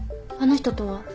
あの人とは？